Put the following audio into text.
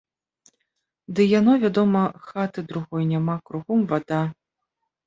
Ды яно, вядома, хаты другой няма, кругом вада.